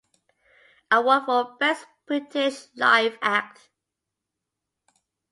Award for Best British Live Act.